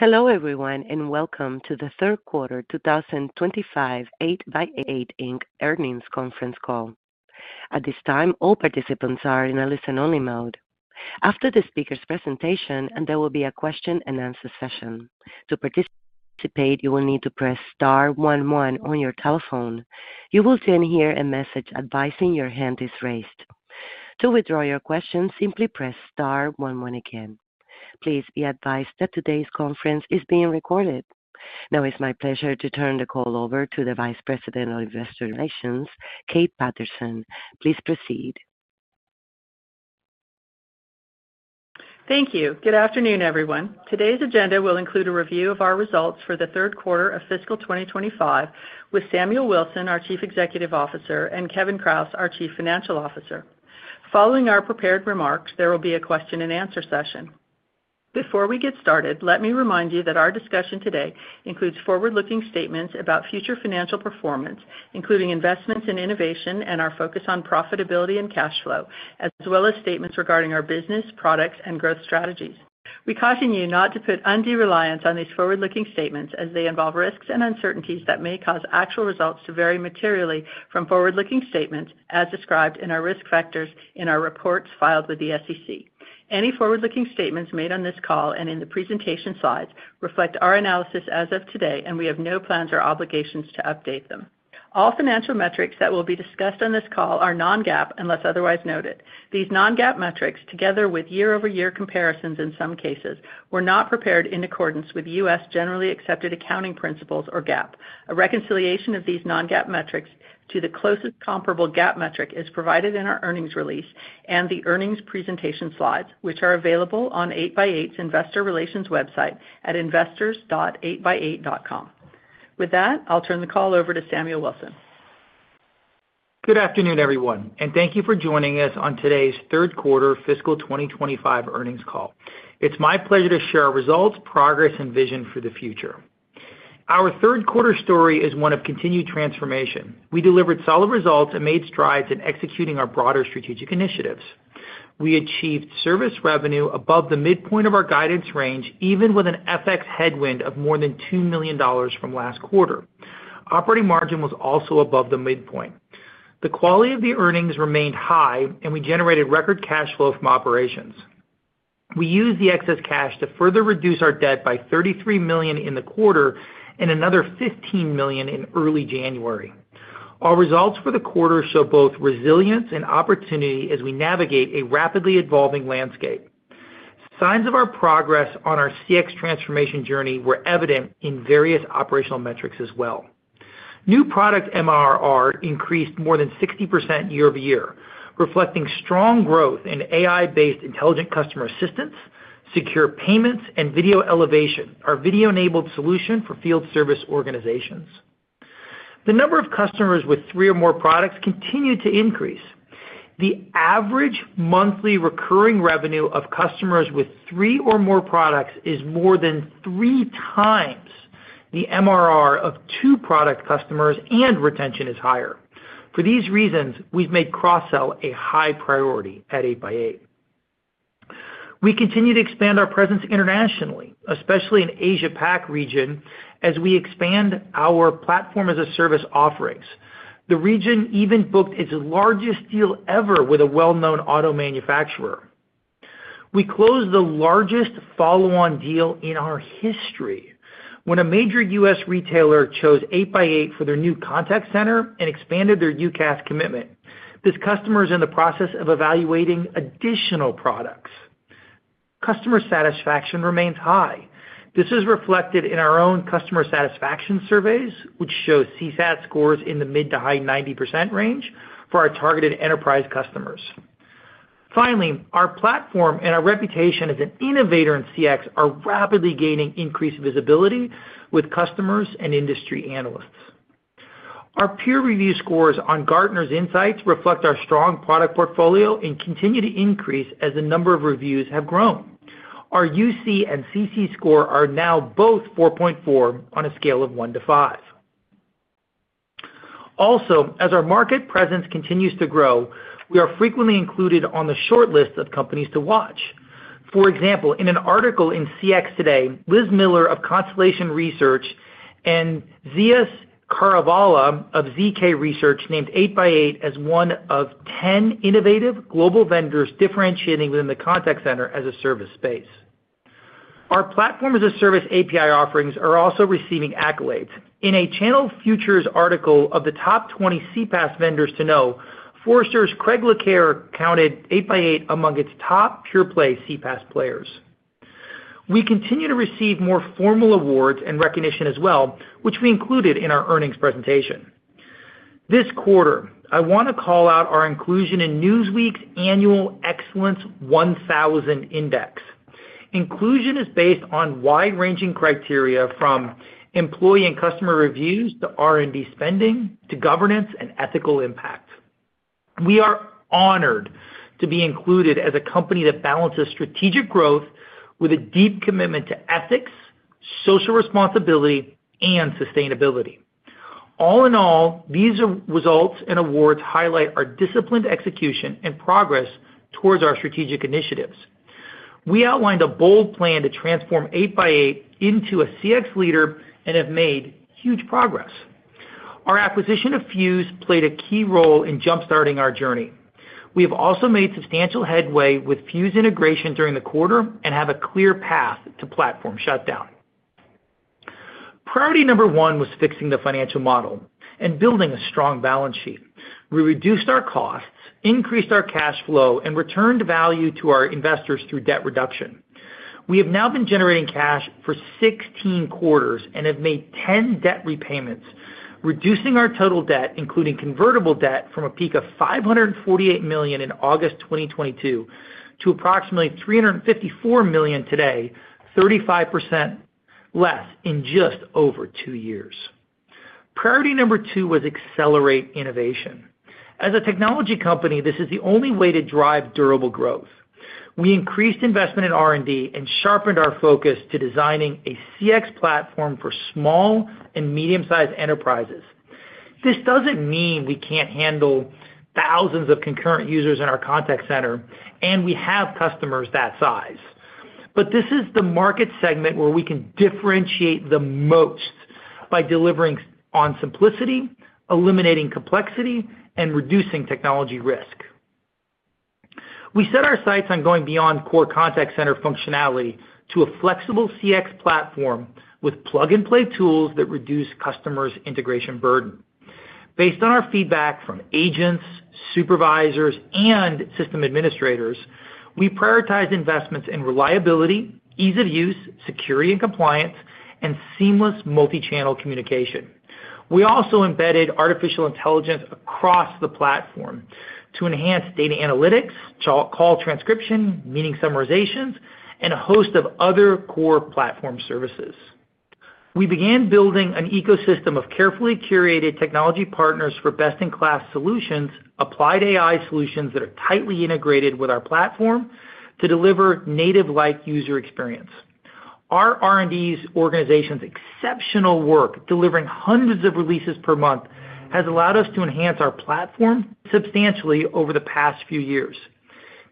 Hello everyone and welcome to the Q3 2025 8x8, Inc. earnings conference call. At this time, all participants are in a listen-only mode. After the speaker's presentation, there will be a question-and-answer session. To participate, you will need to press star one one on your telephone. You will then hear a message advising your hand is raised. To withdraw your question, simply press star one one again. Please be advised that today's conference is being recorded. Now, it's my pleasure to turn the call over to the Vice President of Investor Relations, Kate Patterson. Please proceed. Thank you. Good afternoon, everyone. Today's agenda will include a review of our results for the Q3 of fiscal 2025 with Samuel Wilson, our Chief Executive Officer, and Kevin Kraus, our Chief Financial Officer. Following our prepared remarks, there will be a question-and-answer session. Before we get started, let me remind you that our discussion today includes forward-looking statements about future financial performance, including investments in innovation and our focus on profitability and cash flow, as well as statements regarding our business, products, and growth strategies. We caution you not to put undue reliance on these forward-looking statements as they involve risks and uncertainties that may cause actual results to vary materially from forward-looking statements as described in our risk factors in our reports filed with the SEC. Any forward-looking statements made on this call and in the presentation slides reflect our analysis as of today, and we have no plans or obligations to update them. All financial metrics that will be discussed on this call are Non-GAAP unless otherwise noted. These Non-GAAP metrics, together with year-over-year comparisons in some cases, were not prepared in accordance with U.S. generally accepted accounting principles or GAAP. A reconciliation of these Non-GAAP metrics to the closest comparable GAAP metric is provided in our earnings release and the earnings presentation slides, which are available on 8x8's investor relations website at investors.8x8.com. With that, I'll turn the call over to Samuel Wilson. Good afternoon, everyone, and thank you for joining us on today's Q3 fiscal 2025 earnings call. It's my pleasure to share our results, progress, and vision for the future. Our Q3 story is one of continued transformation. We delivered solid results and made strides in executing our broader strategic initiatives. We achieved service revenue above the midpoint of our guidance range, even with an FX headwind of more than $2 million from last quarter. Operating margin was also above the midpoint. The quality of the earnings remained high, and we generated record cash flow from operations. We used the excess cash to further reduce our debt by $33 million in the quarter and another $15 million in early January. Our results for the quarter show both resilience and opportunity as we navigate a rapidly evolving landscape. Signs of our progress on our CX transformation journey were evident in various operational metrics as well. New product MRR increased more than 60% year-over-year, reflecting strong growth in AI-based intelligent customer assistance, secure payments, and Video Elevation, our video-enabled solution for field service organizations. The number of customers with three or more products continued to increase. The average monthly recurring revenue of customers with three or more products is more than three times the MRR of two product customers, and retention is higher. For these reasons, we've made cross-sell a high priority at 8x8. We continue to expand our presence internationally, especially in the Asia-Pac region, as we expand our platform as a service offerings. The region even booked its largest deal ever with a well-known auto manufacturer. We closed the largest follow-on deal in our history when a major U.S. retailer chose 8x8 for their new contact center and expanded their UCaaS commitment. This customer is in the process of evaluating additional products. Customer satisfaction remains high. This is reflected in our own customer satisfaction surveys, which show CSAT scores in the mid- to high-90% range for our targeted enterprise customers. Finally, our platform and our reputation as an innovator in CX are rapidly gaining increased visibility with customers and industry analysts. Our peer review scores on Gartner's insights reflect our strong product portfolio and continue to increase as the number of reviews have grown. Our UC and CC score are now both 4.4 on a scale of 1 to 5. Also, as our market presence continues to grow, we are frequently included on the short list of companies to watch. For example, in an article in CX Today, Liz Miller of Constellation Research and Zeus Kerravala of ZK Research named 8x8 as one of 10 innovative global vendors differentiating within the contact center as a service space. Our platform as a service API offerings are also receiving accolades. In a Channel Futures article of the top 20 CPaaS vendors to know, Forrester's Craig Le Clair counted 8x8 among its top pure-play CPaaS players. We continue to receive more formal awards and recognition as well, which we included in our earnings presentation. This quarter, I want to call out our inclusion in Newsweek's Annual Excellence 1000 Index. Inclusion is based on wide-ranging criteria from employee and customer reviews to R&D spending to governance and ethical impact. We are honored to be included as a company that balances strategic growth with a deep commitment to ethics, social responsibility, and sustainability. All in all, these results and awards highlight our disciplined execution and progress towards our strategic initiatives. We outlined a bold plan to transform 8x8 into a CX leader and have made huge progress. Our acquisition of Fuze played a key role in jump-starting our journey. We have also made substantial headway with Fuze integration during the quarter and have a clear path to platform shutdown. Priority number one was fixing the financial model and building a strong balance sheet. We reduced our costs, increased our cash flow, and returned value to our investors through debt reduction. We have now been generating cash for 16 quarters and have made 10 debt repayments, reducing our total debt, including convertible debt, from a peak of $548 million in August 2022 to approximately $354 million today, 35% less in just over two years. Priority number two was accelerate innovation. As a technology company, this is the only way to drive durable growth. We increased investment in R&D and sharpened our focus to designing a CX platform for small and medium-sized enterprises. This doesn't mean we can't handle thousands of concurrent users in our contact center, and we have customers that size. But this is the market segment where we can differentiate the most by delivering on simplicity, eliminating complexity, and reducing technology risk. We set our sights on going beyond core contact center functionality to a flexible CX platform with plug-and-play tools that reduce customers' integration burden. Based on our feedback from agents, supervisors, and system administrators, we prioritized investments in reliability, ease of use, security and compliance, and seamless multi-channel communication. We also embedded artificial intelligence across the platform to enhance data analytics, call transcription, meeting summarizations, and a host of other core platform services. We began building an ecosystem of carefully curated technology partners for best-in-class solutions, applied AI solutions that are tightly integrated with our platform to deliver native-like user experience. Our R&D organization's exceptional work delivering hundreds of releases per month has allowed us to enhance our platform substantially over the past few years.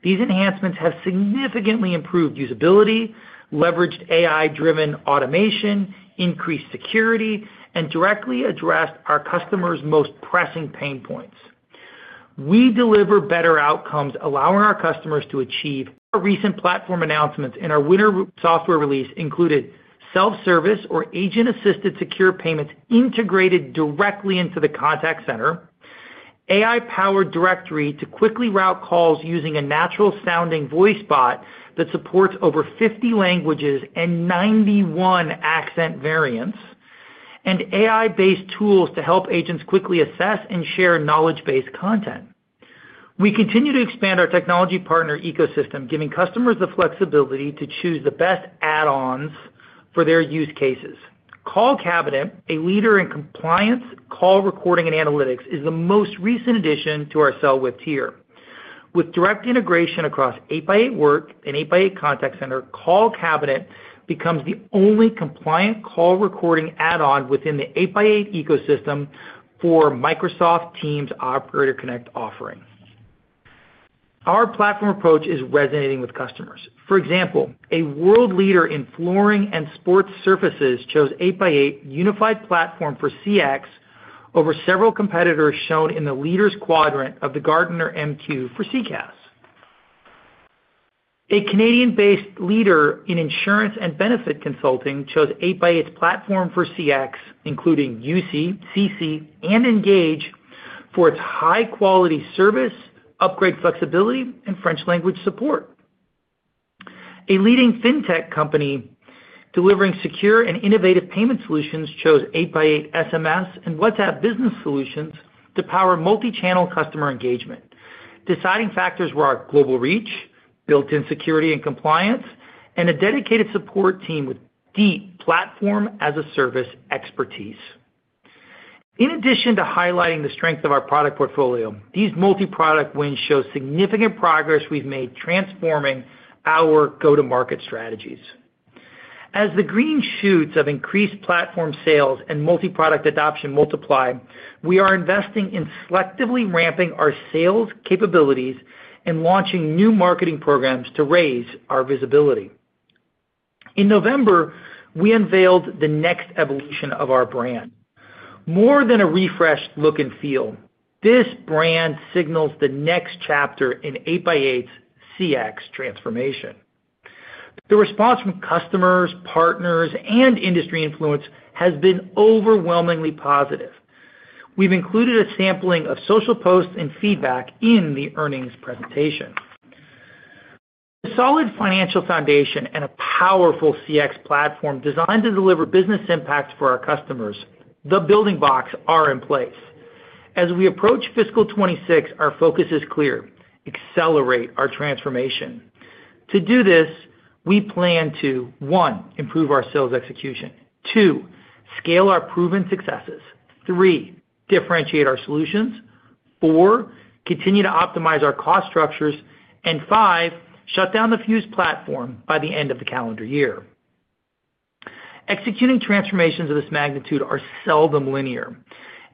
These enhancements have significantly improved usability, leveraged AI-driven automation, increased security, and directly addressed our customers' most pressing pain points. We deliver better outcomes, allowing our customers to achieve. Our recent platform announcements and our winter software release included self-service or agent-assisted secure payments integrated directly into the contact center, AI-powered directory to quickly route calls using a natural-sounding voice bot that supports over 50 languages and 91 accent variants, and AI-based tools to help agents quickly assess and share knowledge-based content. We continue to expand our technology partner ecosystem, giving customers the flexibility to choose the best add-ons for their use cases. CallCabinet, a leader in compliance, call recording, and analytics, is the most recent addition to our sell-with tier. With direct integration across 8x8 Work and 8x8 Contact Center, CallCabinet becomes the only compliant call recording add-on within the 8x8 ecosystem for Microsoft Teams Operator Connect offering. Our platform approach is resonating with customers. For example, a world leader in flooring and sports surfaces chose 8x8 Unified Platform for CX over several competitors shown in the Leaders quadrant of the Gartner MQ for CCaaS. A Canadian-based leader in insurance and benefit consulting chose 8x8's platform for CX, including UC, CC, and Engage for its high-quality service, upgrade flexibility, and French-language support. A leading fintech company delivering secure and innovative payment solutions chose 8x8 SMS and WhatsApp Business Solutions to power multi-channel customer engagement. Deciding factors were our global reach, built-in security and compliance, and a dedicated support team with deep platform-as-a-service expertise. In addition to highlighting the strength of our product portfolio, these multi-product wins show significant progress we've made transforming our go-to-market strategies. As the green shoots of increased platform sales and multi-product adoption multiply, we are investing in selectively ramping our sales capabilities and launching new marketing programs to raise our visibility. In November, we unveiled the next evolution of our brand. More than a refreshed look and feel, this brand signals the next chapter in 8x8's CX transformation. The response from customers, partners, and industry influence has been overwhelmingly positive. We've included a sampling of social posts and feedback in the earnings presentation. With a solid financial foundation and a powerful CX platform designed to deliver business impact for our customers, the building blocks are in place. As we approach fiscal 2026, our focus is clear, accelerate our transformation. To do this, we plan to, one, improve our sales execution. Two, scale our proven successes. Three, differentiate our solutions. Four, continue to optimize our cost structures, and five, shut down the Fuze platform by the end of the calendar year. Executing transformations of this magnitude are seldom linear,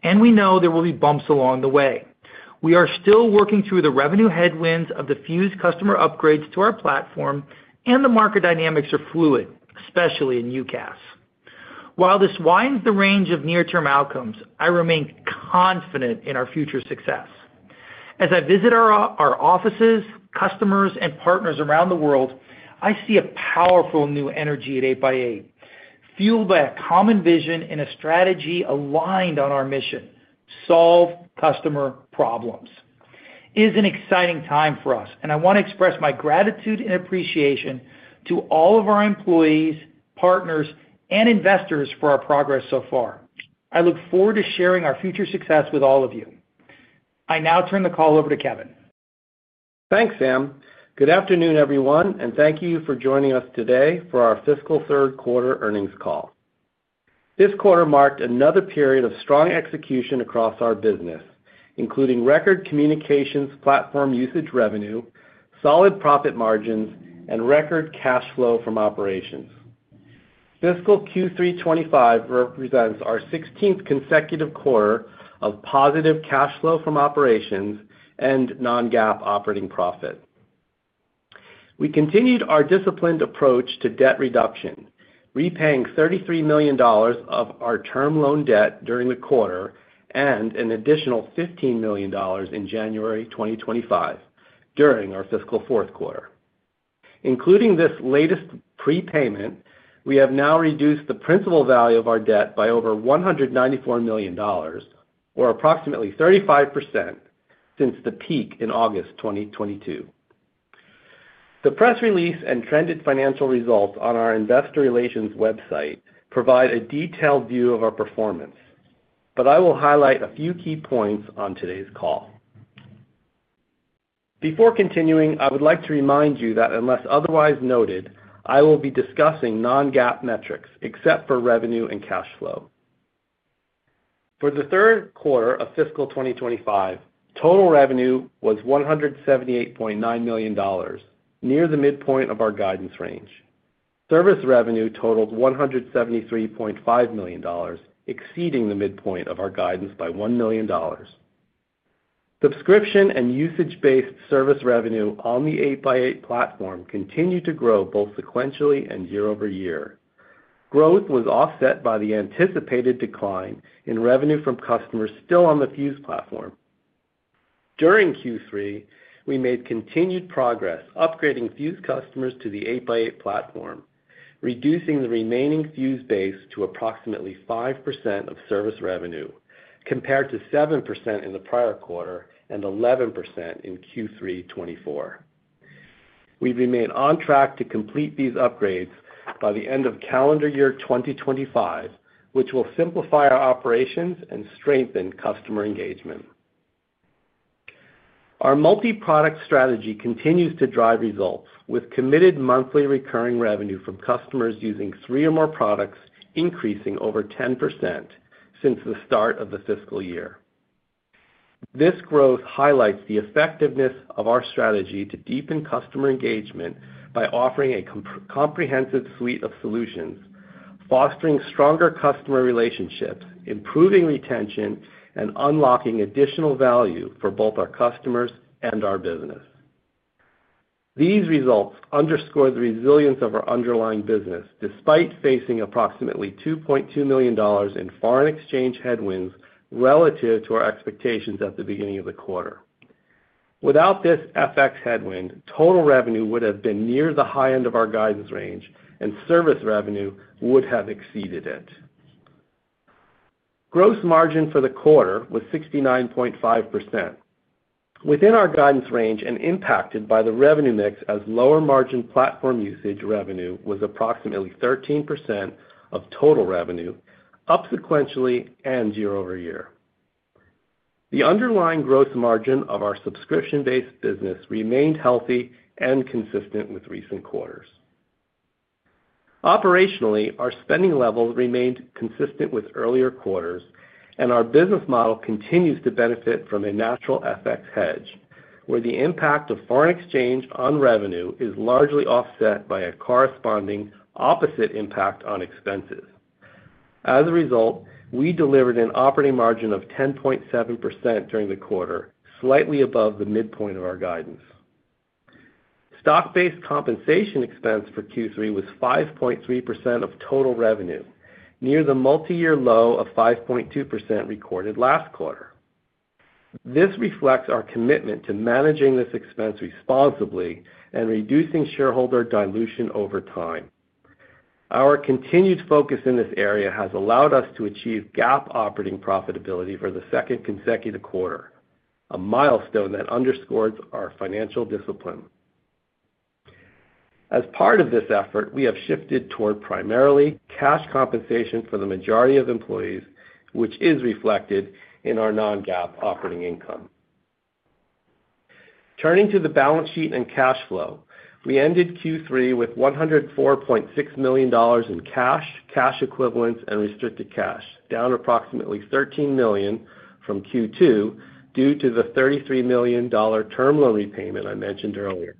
and we know there will be bumps along the way. We are still working through the revenue headwinds of the Fuze customer upgrades to our platform, and the market dynamics are fluid, especially in UCaaS. While this widens the range of near-term outcomes, I remain confident in our future success. As I visit our offices, customers, and partners around the world, I see a powerful new energy at 8x8, fueled by a common vision and a strategy aligned on our mission, solve customer problems. It is an exciting time for us, and I want to express my gratitude and appreciation to all of our employees, partners, and investors for our progress so far. I look forward to sharing our future success with all of you. I now turn the call over to Kevin. Thanks, Sam. Good afternoon, everyone, and thank you for joining us today for our fiscal Q3 earnings call. This quarter marked another period of strong execution across our business, including record communications platform usage revenue, solid profit margins, and record cash flow from operations. Fiscal Q3 25 represents our 16th consecutive quarter of positive cash flow from operations and non-GAAP operating profit. We continued our disciplined approach to debt reduction, repaying $33 million of our term loan debt during the quarter and an additional $15 million in January 2025 during our fiscal Q4. Including this latest prepayment, we have now reduced the principal value of our debt by over $194 million, or approximately 35% since the peak in August 2022. The press release and trended financial results on our investor relations website provide a detailed view of our performance, but I will highlight a few key points on today's call. Before continuing, I would like to remind you that unless otherwise noted, I will be discussing non-GAAP metrics except for revenue and cash flow. For the Q3 of fiscal 2025, total revenue was $178.9 million, near the midpoint of our guidance range. Service revenue totaled $173.5 million, exceeding the midpoint of our guidance by $1 million. Subscription and usage-based service revenue on the 8x8 platform continued to grow both sequentially and year-over-year. Growth was offset by the anticipated decline in revenue from customers still on the Fuze platform. During Q3, we made continued progress upgrading Fuze customers to the 8x8 platform, reducing the remaining Fuze base to approximately 5% of service revenue, compared to 7% in the prior quarter and 11% in Q3 2024. We remain on track to complete these upgrades by the end of calendar year 2025, which will simplify our operations and strengthen customer engagement. Our multi-product strategy continues to drive results, with committed monthly recurring revenue from customers using three or more products increasing over 10% since the start of the fiscal year. This growth highlights the effectiveness of our strategy to deepen customer engagement by offering a comprehensive suite of solutions, fostering stronger customer relationships, improving retention, and unlocking additional value for both our customers and our business. These results underscore the resilience of our underlying business, despite facing approximately $2.2 million in foreign exchange headwinds relative to our expectations at the beginning of the quarter. Without this FX headwind, total revenue would have been near the high end of our guidance range, and service revenue would have exceeded it. Gross margin for the quarter was 69.5%. Within our guidance range and impacted by the revenue mix as lower margin platform usage revenue was approximately 13% of total revenue, up sequentially and year-over-year. The underlying gross margin of our subscription-based business remained healthy and consistent with recent quarters. Operationally, our spending level remained consistent with earlier quarters, and our business model continues to benefit from a natural FX hedge, where the impact of foreign exchange on revenue is largely offset by a corresponding opposite impact on expenses. As a result, we delivered an operating margin of 10.7% during the quarter, slightly above the midpoint of our guidance. Stock-based compensation expense for Q3 was 5.3% of total revenue, near the multi-year low of 5.2% recorded last quarter. This reflects our commitment to managing this expense responsibly and reducing shareholder dilution over time. Our continued focus in this area has allowed us to achieve GAAP operating profitability for the second consecutive quarter, a milestone that underscores our financial discipline. As part of this effort, we have shifted toward primarily cash compensation for the majority of employees, which is reflected in our non-GAAP operating income. Turning to the balance sheet and cash flow, we ended Q3 with $104.6 million in cash, cash equivalents, and restricted cash, down approximately $13 million from Q2 due to the $33 million term loan repayment I mentioned earlier.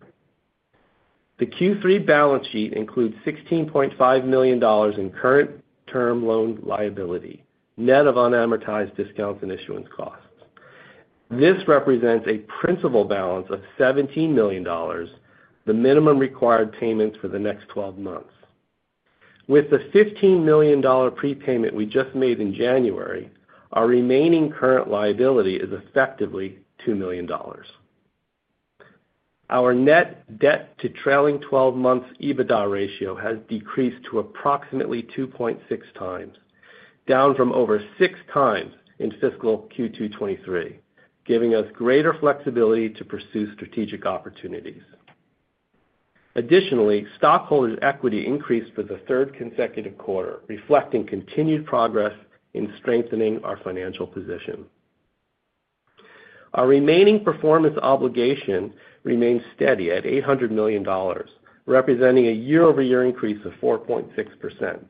The Q3 balance sheet includes $16.5 million in current term loan liability, net of unamortized discounts and issuance costs. This represents a principal balance of $17 million, the minimum required payments for the next 12 months. With the $15 million prepayment we just made in January, our remaining current liability is effectively $2 million. Our net debt-to-trailing 12-month EBITDA ratio has decreased to approximately 2.6x, down from over 6x in fiscal Q2 2023, giving us greater flexibility to pursue strategic opportunities. Additionally, stockholders' equity increased for the third consecutive quarter, reflecting continued progress in strengthening our financial position. Our remaining performance obligation remains steady at $800 million, representing a year-over-year increase of 4.6%.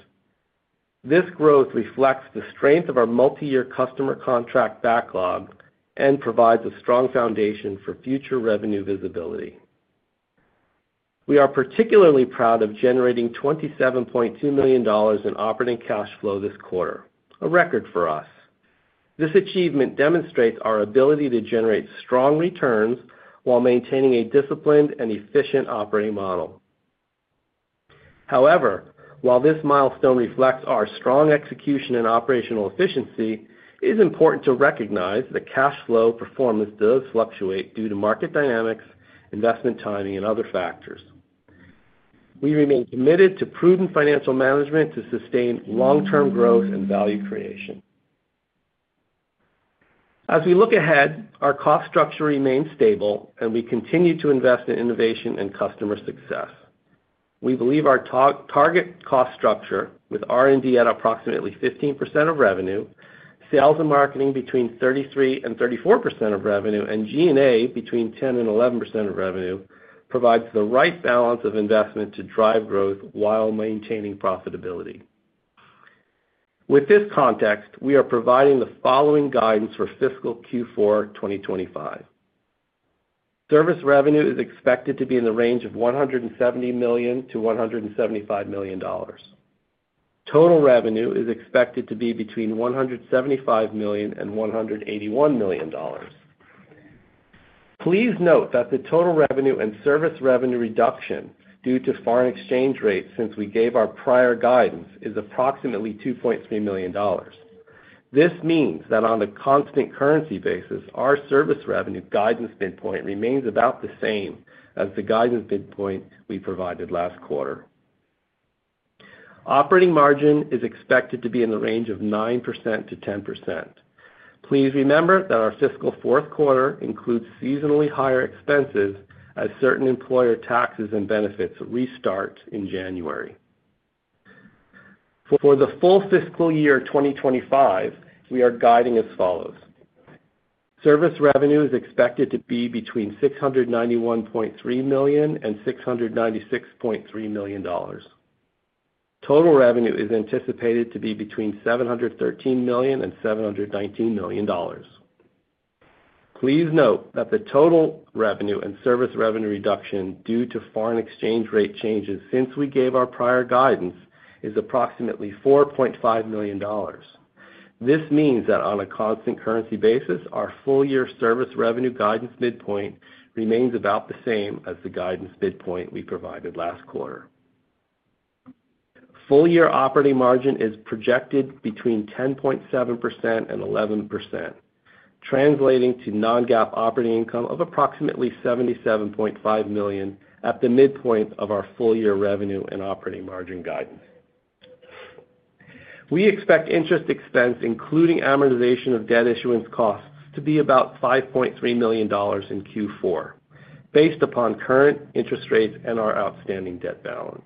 This growth reflects the strength of our multi-year customer contract backlog and provides a strong foundation for future revenue visibility. We are particularly proud of generating $27.2 million in operating cash flow this quarter, a record for us. This achievement demonstrates our ability to generate strong returns while maintaining a disciplined and efficient operating model. However, while this milestone reflects our strong execution and operational efficiency, it is important to recognize that cash flow performance does fluctuate due to market dynamics, investment timing, and other factors. We remain committed to prudent financial management to sustain long-term growth and value creation. As we look ahead, our cost structure remains stable, and we continue to invest in innovation and customer success. We believe our target cost structure, with R&D at approximately 15% of revenue, sales and marketing between 33% and 34% of revenue, and G&A between 10% and 11% of revenue, provides the right balance of investment to drive growth while maintaining profitability. With this context, we are providing the following guidance for fiscal Q4 2025. Service revenue is expected to be in the range of $170 million-$175 million. Total revenue is expected to be between $175 million and $181 million. Please note that the total revenue and service revenue reduction due to foreign exchange rates since we gave our prior guidance is approximately $2.3 million. This means that on a constant currency basis, our service revenue guidance midpoint remains about the same as the guidance midpoint we provided last quarter. Operating margin is expected to be in the range of 9%-10%. Please remember that our fiscal Q4 includes seasonally higher expenses as certain employer taxes and benefits restart in January. For the full fiscal year 2025, we are guiding as follows. Service revenue is expected to be between $691.3 million and $696.3 million. Total revenue is anticipated to be between $713 million and $719 million. Please note that the total revenue and service revenue reduction due to foreign exchange rate changes since we gave our prior guidance is approximately $4.5 million. This means that on a constant currency basis, our full-year service revenue guidance midpoint remains about the same as the guidance midpoint we provided last quarter. Full-year operating margin is projected between 10.7% and 11%, translating to non-GAAP operating income of approximately $77.5 million at the midpoint of our full-year revenue and operating margin guidance. We expect interest expense, including amortization of debt issuance costs, to be about $5.3 million in Q4, based upon current interest rates and our outstanding debt balance.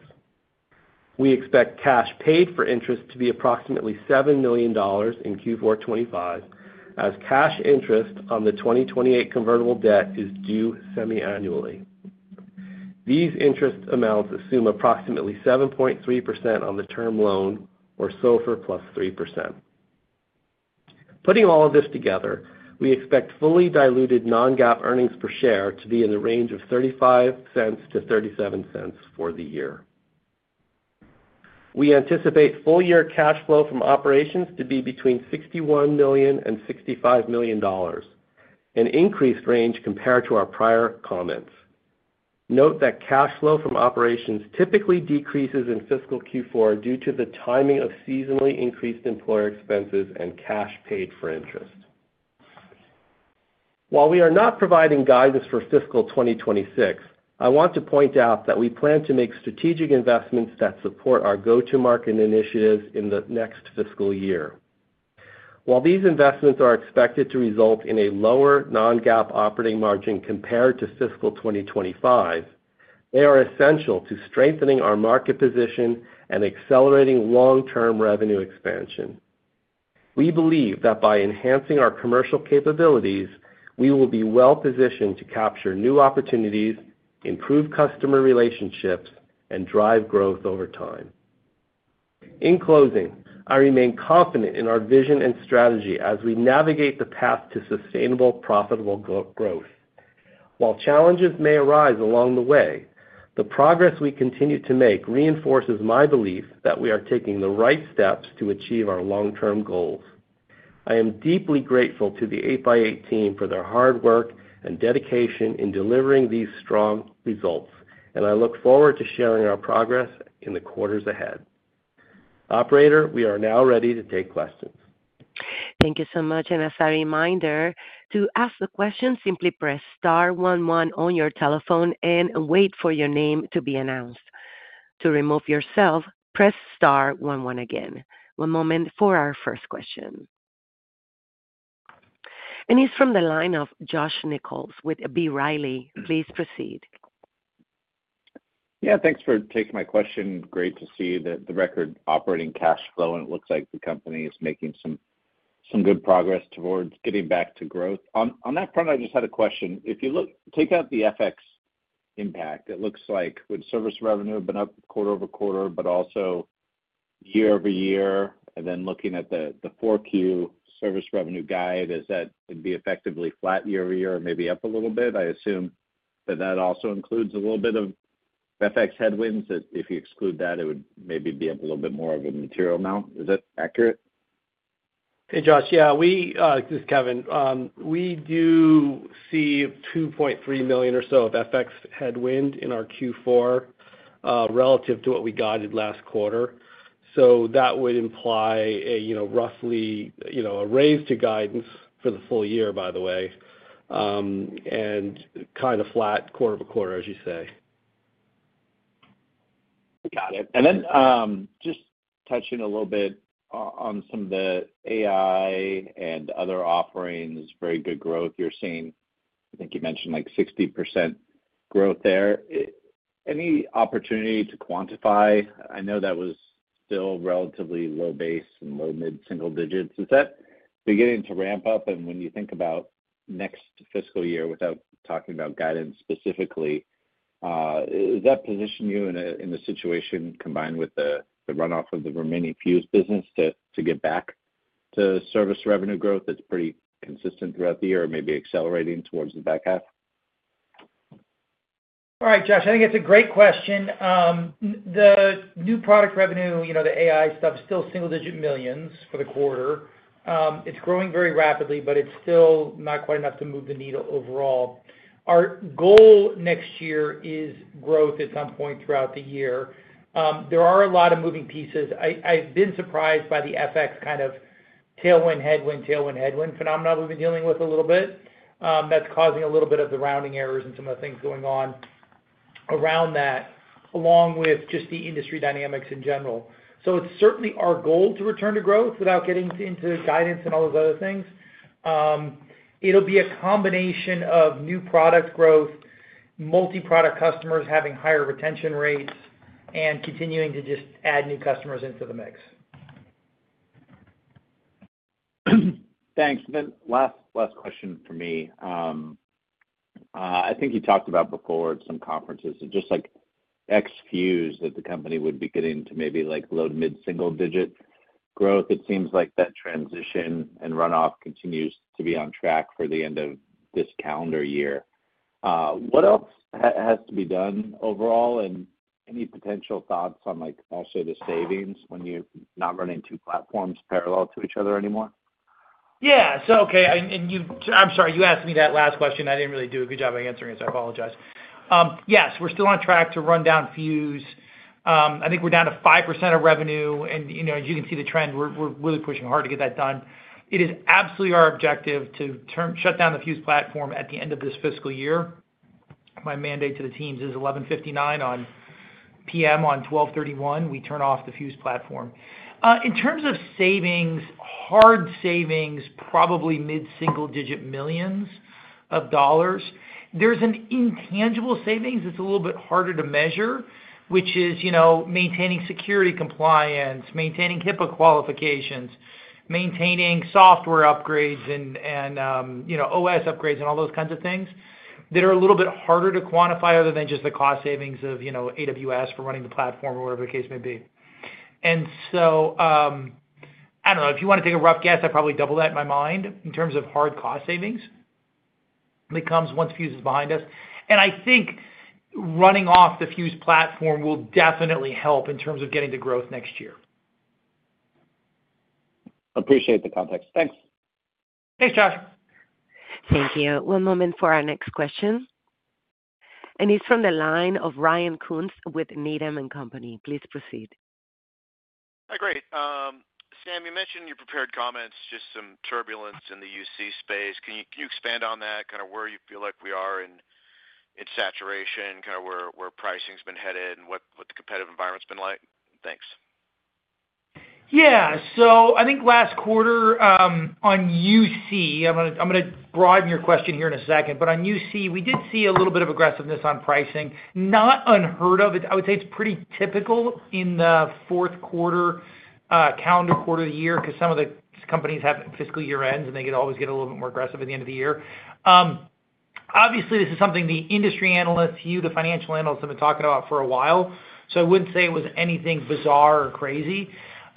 We expect cash paid for interest to be approximately $7 million in Q4 2025, as cash interest on the 2028 convertible debt is due semi-annually. These interest amounts assume approximately 7.3% on the term loan or SOFR plus 3%. Putting all of this together, we expect fully diluted non-GAAP earnings per share to be in the range of $0.35-$0.37 for the year. We anticipate full-year cash flow from operations to be between $61 million and $65 million, an increased range compared to our prior comments. Note that cash flow from operations typically decreases in fiscal Q4 due to the timing of seasonally increased employer expenses and cash paid for interest. While we are not providing guidance for fiscal 2026, I want to point out that we plan to make strategic investments that support our go-to-market initiatives in the next fiscal year. While these investments are expected to result in a lower non-GAAP operating margin compared to fiscal 2025, they are essential to strengthening our market position and accelerating long-term revenue expansion. We believe that by enhancing our commercial capabilities, we will be well-positioned to capture new opportunities, improve customer relationships, and drive growth over time. In closing, I remain confident in our vision and strategy as we navigate the path to sustainable, profitable growth. While challenges may arise along the way, the progress we continue to make reinforces my belief that we are taking the right steps to achieve our long-term goals. I am deeply grateful to the 8x8 team for their hard work and dedication in delivering these strong results, and I look forward to sharing our progress in the quarters ahead. Operator, we are now ready to take questions. Thank you so much. And as a reminder, to ask the question, simply press star one one on your telephone and wait for your name to be announced. To remove yourself, press star one one again. One moment for our first question. And he's from the line of Josh Nichols with B. Riley. Please proceed. Yeah, thanks for taking my question. Great to see the record operating cash flow, and it looks like the company is making some good progress towards getting back to growth. On that front, I just had a question. If you look, take out the FX impact, it looks like would service revenue have been up quarter-over-quarter, but also year-over-year? And then looking at the Q4 service revenue guide, is that it'd be effectively flat year-over-year, maybe up a little bit? I assume that that also includes a little bit of FX headwinds. If you exclude that, it would maybe be a little bit more of a material amount. Is that accurate? Hey, Josh, yeah, this is Kevin. We do see $2.3 million or so of FX headwind in our Q4 relative to what we guided last quarter. So that would imply roughly a raise to guidance for the full year, by the way, and kind of flat quarter-over-quarter, as you say. Got it. And then just touching a little bit on some of the AI and other offerings, very good growth you're seeing. I think you mentioned like 60% growth there. Any opportunity to quantify? I know that was still relatively low base and low mid single digits. Is that beginning to ramp up? And when you think about next fiscal year without talking about guidance specifically, does that position you in a situation combined with the runoff of the remaining Fuze business to get back to service revenue growth that's pretty consistent throughout the year or maybe accelerating towards the back half? All right, Josh, I think it's a great question. The new product revenue, the AI stuff, is still single digit millions for the quarter. It's growing very rapidly, but it's still not quite enough to move the needle overall. Our goal next year is growth at some point throughout the year. There are a lot of moving pieces. I've been surprised by the FX kind of tailwind, headwind, tailwind, headwind phenomenon we've been dealing with a little bit that's causing a little bit of the rounding errors and some of the things going on around that, along with just the industry dynamics in general. So it's certainly our goal to return to growth without getting into guidance and all those other things. It'll be a combination of new product growth, multi-product customers having higher retention rates, and continuing to just add new customers into the mix. Thanks. Then last question for me. I think you talked about before at some conferences that just like ex-Fuze that the company would be getting to maybe low to mid single digit growth. It seems like that transition and runoff continues to be on track for the end of this calendar year. What else has to be done overall and any potential thoughts on also the savings when you're not running two platforms parallel to each other anymore? Yeah. So, okay. And I'm sorry, you asked me that last question. I didn't really do a good job of answering it, so I apologize. Yes, we're still on track to run down Fuze. I think we're down to 5% of revenue. And as you can see the trend, we're really pushing hard to get that done. It is absolutely our objective to shut down the Fuze platform at the end of this fiscal year. My mandate to the teams is 11:59 PM on 12/31, we turn off the Fuze platform. In terms of savings, hard savings, probably mid single-digit millions of dollars. There's an intangible savings that's a little bit harder to measure, which is maintaining security compliance, maintaining HIPAA qualifications, maintaining software upgrades and OS upgrades and all those kinds of things that are a little bit harder to quantify other than just the cost savings of AWS for running the platform or whatever the case may be. And so I don't know. If you want to take a rough guess, I'd probably double that in my mind in terms of hard cost savings. It comes once Fuze is behind us. And I think running off the Fuze platform will definitely help in terms of getting the growth next year. Appreciate the context. Thanks. Thanks, Josh. Thank you. One moment for our next question. And he's from the line of Ryan Koontz with Needham & Company. Please proceed. Hi, great. Sam, you mentioned your prepared comments, just some turbulence in the UC space. Can you expand on that, kind of where you feel like we are in saturation, kind of where pricing has been headed and what the competitive environment's been like? Thanks. Yeah. So I think last quarter on UC, I'm going to broaden your question here in a second, but on UC, we did see a little bit of aggressiveness on pricing. Not unheard of. I would say it's pretty typical in the Q4, calendar quarter of the year, because some of the companies have fiscal year ends and they can always get a little bit more aggressive at the end of the year. Obviously, this is something the industry analysts, you, the financial analysts, have been talking about for a while. So I wouldn't say it was anything bizarre or crazy.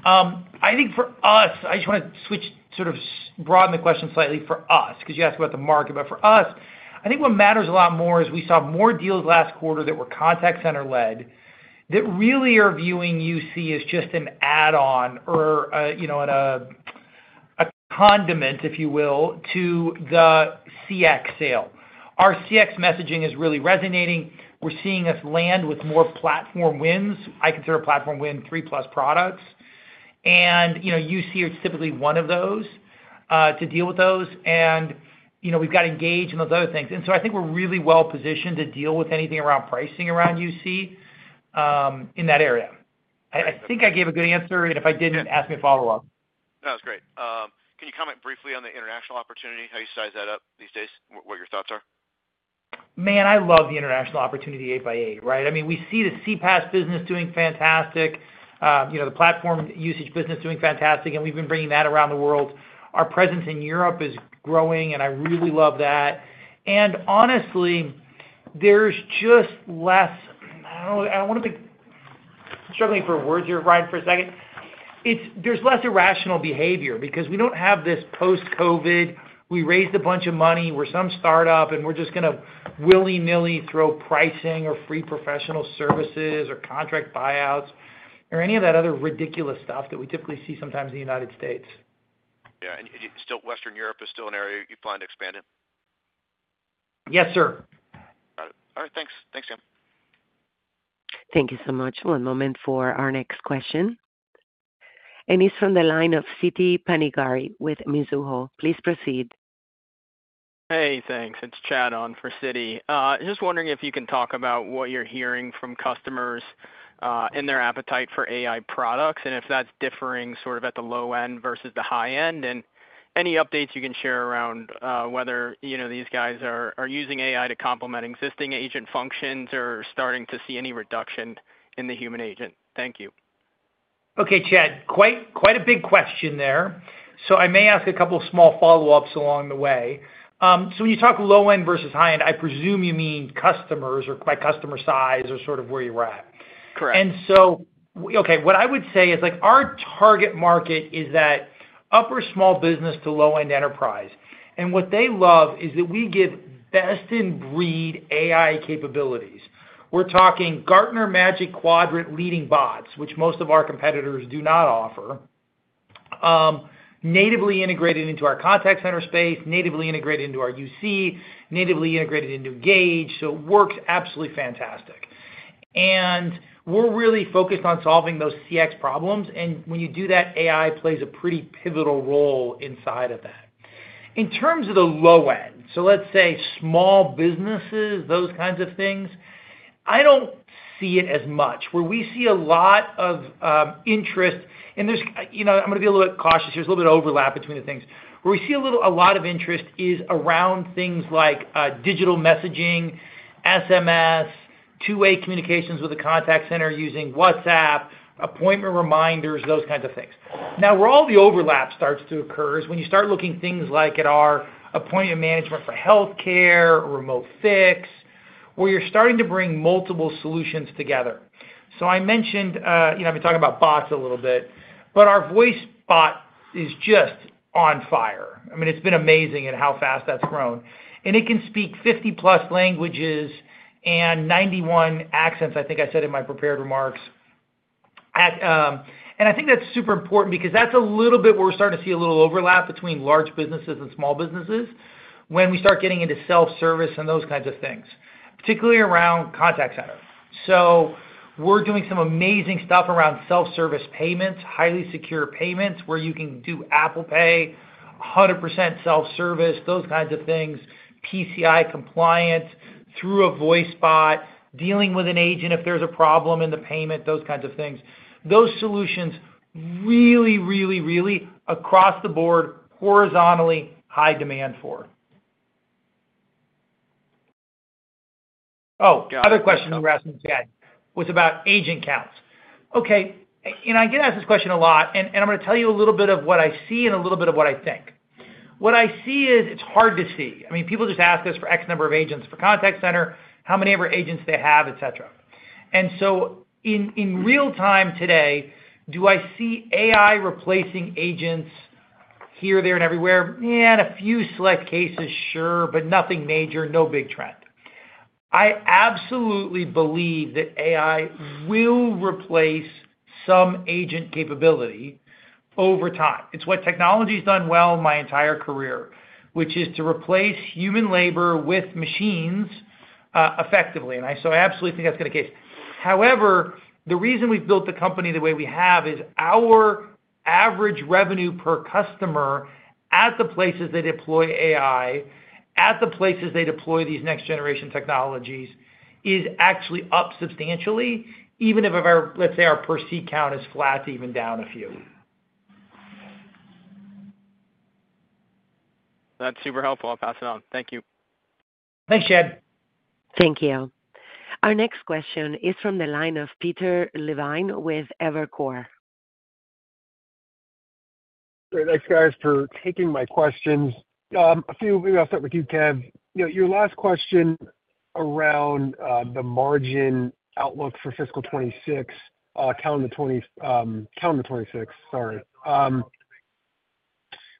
I think for us, I just want to switch sort of broaden the question slightly for us, because you asked about the market. But for us, I think what matters a lot more is we saw more deals last quarter that were contact center-led that really are viewing UC as just an add-on or a condiment, if you will, to the CX sale. Our CX messaging is really resonating. We're seeing us land with more platform wins. I consider a platform win three-plus products. And UC, it's typically one of those to deal with those. And we've got Engage and those other things. And so I think we're really well-positioned to deal with anything around pricing around UC in that area. I think I gave a good answer, and if I didn't, ask me a follow-up. That was great. Can you comment briefly on the international opportunity, how you size that up these days, what your thoughts are? Man, I love the international opportunity 8x8, right? I mean, we see the CPaaS business doing fantastic, the platform usage business doing fantastic, and we've been bringing that around the world. Our presence in Europe is growing, and I really love that. And honestly, there's just less. I'm struggling for words here, Ryan, for a second. There's less irrational behavior because we don't have this post-COVID. We raised a bunch of money. We're some startup, and we're just going to willy-nilly throw pricing or free professional services or contract buyouts or any of that other ridiculous stuff that we typically see sometimes in the United States. Yeah. And Western Europe is still an area you plan to expand in? Yes, sir. Got it. All right. Thanks. Thanks, Sam. Thank you so much. One moment for our next question. And he's from the line of Siti Panigrahi with Mizuho. Please proceed. Hey, thanks. It's Chad on for Siti. Just wondering if you can talk about what you're hearing from customers and their appetite for AI products and if that's differing sort of at the low end versus the high end and any updates you can share around whether these guys are using AI to complement existing agent functions or starting to see any reduction in the human agent. Thank you. Okay, Chad. Quite a big question there. So I may ask a couple of small follow-ups along the way. So when you talk low end versus high end, I presume you mean customers or by customer size or sort of where you're at. Correct. And so, okay, what I would say is our target market is that upper small business to low-end enterprise. What they love is that we give best-in-breed AI capabilities. We're talking Gartner Magic Quadrant leading bots, which most of our competitors do not offer, natively integrated into our contact center space, natively integrated into our UC, natively integrated into Engage. It works absolutely fantastic. We're really focused on solving those CX problems. When you do that, AI plays a pretty pivotal role inside of that. In terms of the low end, so let's say small businesses, those kinds of things, I don't see it as much. Where we see a lot of interest, and I'm going to be a little bit cautious here. There's a little bit of overlap between the things. Where we see a lot of interest is around things like digital messaging, SMS, two-way communications with a contact center using WhatsApp, appointment reminders, those kinds of things. Now, where all the overlap starts to occur is when you start looking at things like our appointment management for healthcare, RemoteFX, where you're starting to bring multiple solutions together. So I mentioned we talked about bots a little bit, but our voice bot is just on fire. I mean, it's been amazing at how fast that's grown. And it can speak 50+ languages and 91 accents, I think I said in my prepared remarks. And I think that's super important because that's a little bit where we're starting to see a little overlap between large businesses and small businesses when we start getting into self-service and those kinds of things, particularly around contact center. So we're doing some amazing stuff around self-service payments, highly secure payments where you can do Apple Pay, 100% self-service, those kinds of things, PCI compliance through a voice bot, dealing with an agent if there's a problem in the payment, those kinds of things. Those solutions really, really, really across the board, horizontally, high demand for. Oh, other question you were asking Chad was about agent counts. Okay. And I get asked this question a lot. And I'm going to tell you a little bit of what I see and a little bit of what I think. What I see is it's hard to see. I mean, people just ask us for X number of agents for contact center, how many of our agents they have, etc. And so in real time today, do I see AI replacing agents here, there, and everywhere? In a few select cases, sure, but nothing major, no big trend. I absolutely believe that AI will replace some agent capability over time. It's what technology has done well my entire career, which is to replace human labor with machines effectively. And so I absolutely think that's the case. However, the reason we've built the company the way we have is our average revenue per customer at the places they deploy AI, at the places they deploy these next-generation technologies, is actually up substantially, even if, let's say, our per seat count is flat, even down a few. That's super helpful. I'll pass it on. Thank you. Thanks, Chad. Thank you. Our next question is from the line of Peter Levine with Evercore. Great. Thanks, guys, for taking my questions. Maybe I'll start with you, Kev. Your last question around the margin outlook for fiscal 2026, calendar 2026, sorry,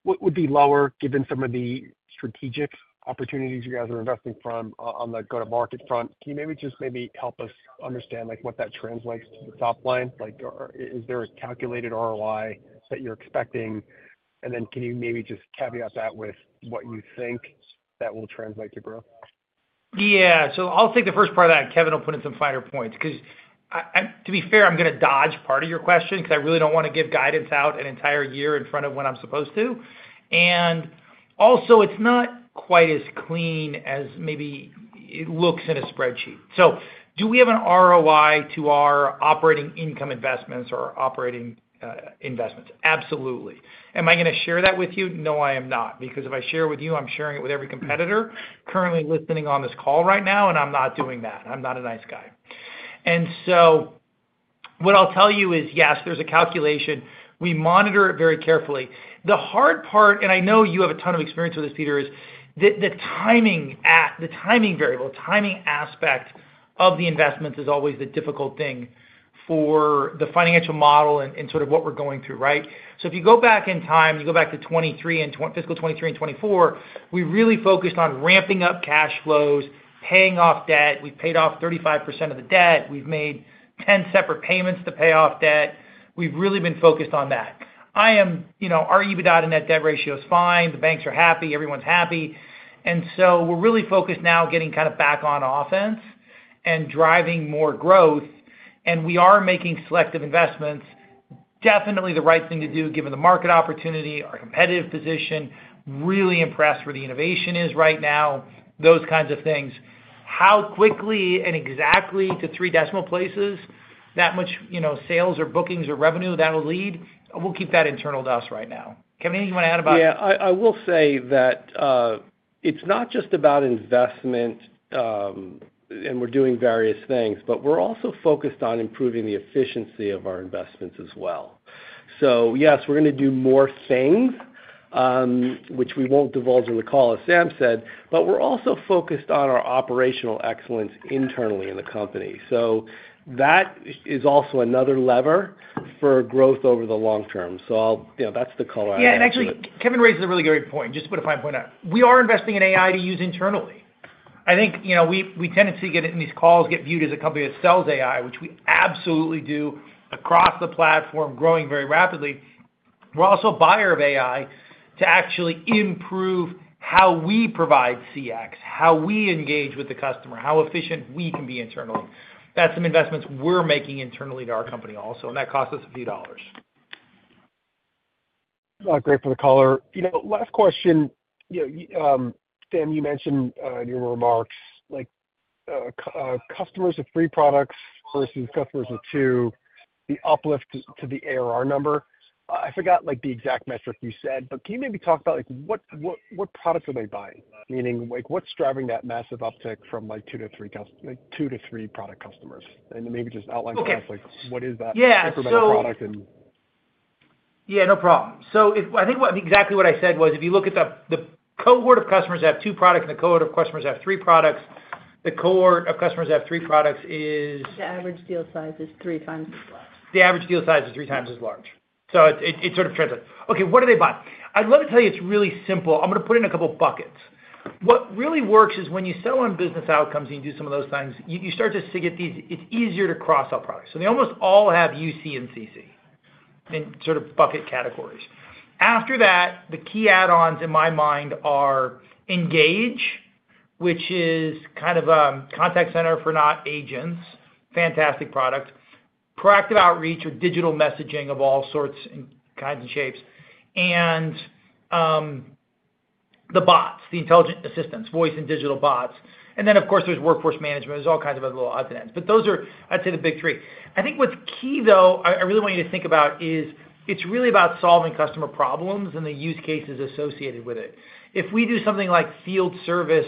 would be lower given some of the strategic opportunities you guys are investing from on the go-to-market front. Can you maybe just maybe help us understand what that translates to the top line? Is there a calculated ROI that you're expecting? And then can you maybe just caveat that with what you think that will translate to growth? Yeah. So I'll take the first part of that. Kevin will put in some finer points. Because to be fair, I'm going to dodge part of your question because I really don't want to give guidance out an entire year in front of when I'm supposed to. Also, it's not quite as clean as maybe it looks in a spreadsheet. So do we have an ROI to our operating income investments or operating investments? Absolutely. Am I going to share that with you? No, I am not. Because if I share it with you, I'm sharing it with every competitor currently listening on this call right now, and I'm not doing that. I'm not a nice guy. And so what I'll tell you is, yes, there's a calculation, we monitor it very carefully. The hard part, and I know you have a ton of experience with this, Peter, is the timing variable, the timing aspect of the investments is always the difficult thing for the financial model and sort of what we're going through, right? So if you go back in time, you go back to fiscal 2023 and 2024, we really focused on ramping up cash flows, paying off debt. We've paid off 35% of the debt. We've made 10 separate payments to pay off debt. We've really been focused on that. Our EBITDA to net debt ratio is fine. The banks are happy. Everyone's happy, and so we're really focused now getting kind of back on offense and driving more growth, and we are making selective investments, definitely the right thing to do given the market opportunity, our competitive position, really impressed where the innovation is right now, those kinds of things. How quickly and exactly to three decimal places, that much sales or bookings or revenue that will lead, we'll keep that internal to us right now. Kevin, anything you want to add about it? Yeah. I will say that it's not just about investment, and we're doing various things, but we're also focused on improving the efficiency of our investments as well. So yes, we're going to do more things, which we won't divulge in the call, as Sam said, but we're also focused on our operational excellence internally in the company. So that is also another lever for growth over the long term. So that's the color I have. Yeah. And actually, Kevin raises a really great point. Just to put a fine point out, we are investing in AI to use internally. I think we tend to see it in these calls get viewed as a company that sells AI, which we absolutely do across the platform, growing very rapidly. We're also a buyer of AI to actually improve how we provide CX, how we engage with the customer, how efficient we can be internally. That's some investments we're making internally to our company also, and that costs us a few dollars. Great for the color. Last question. Sam, you mentioned in your remarks customers of three products versus customers of two, the uplift to the ARR number. I forgot the exact metric you said, but can you maybe talk about what products are they buying? Meaning, what's driving that massive uptick from two to three product customers? And maybe just outline for us what is that incremental product. Yeah, no problem. So I think exactly what I said was if you look at the cohort of customers that have two products and the cohort of customers that have three products is, the average deal size is three times as large. So it sort of translates. Okay. What do they buy? I'd love to tell you it's really simple. I'm going to put it in a couple of buckets. What really works is when you sell on business outcomes and you do some of those things. You start to see it's easier to cross-sell products, so they almost all have UC and CC in sort of bucket categories. After that, the key add-ons in my mind are Engage, which is kind of contact center for non-agents, fantastic product, proactive outreach or digital messaging of all sorts and kinds and shapes, and the bots, the intelligent assistants, voice and digital bots, and then, of course, there's workforce management. There's all kinds of other little odds and ends, but those are, I'd say, the big three. I think what's key, though, I really want you to think about is it's really about solving customer problems and the use cases associated with it. If we do something like field service